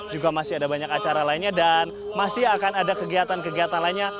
juga masih ada banyak acara lainnya dan masih akan ada kegiatan kegiatan lainnya